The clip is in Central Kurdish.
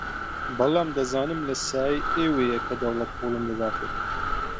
بەڵام دەزانم لە سایەی ئێوەیە کە دەوڵەت پووڵم دەداتێ